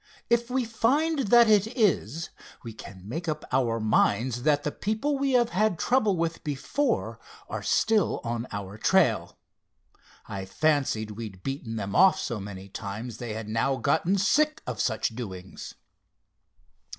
If we find that it is, we can make up our minds that the people we have had trouble with before are still on our trail. I fancied we'd beaten them off so many times they had now gotten sick of such doings."